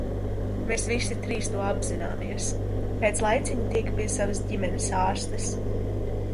Mēs visi trīs to apzināmies. Pēc laiciņa tieku pie savas ģimenes ārstes.